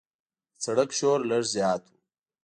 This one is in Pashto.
د سړک شور لږ زیات و.